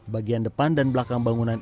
bagian depan dan belakang bangunan